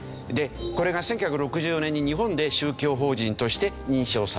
これが１９６４年に日本で宗教法人として認証された。